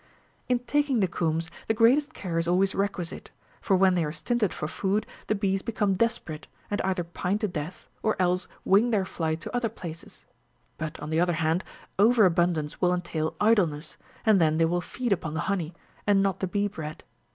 In taking the combs the greatest care is always requisite, for when they are stinted for food the bees become desperate, and either pine to death, or else wing their flight to other places : but on the other hand, over abundance will entail idleness, and then they will feed upon the honey, and not the bee bread.